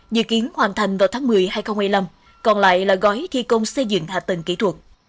dự kiến hoàn thành vào tháng một mươi hai nghìn một mươi năm còn lại là gói thi công xây dựng hạ tầng kỹ thuật